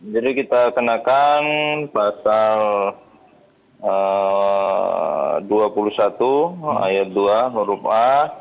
jadi kita kenakan pasal dua puluh satu ayat dua nurm a